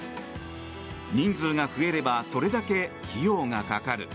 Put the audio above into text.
人数が増えればそれだけ費用がかかる。